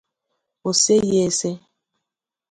o seghị ese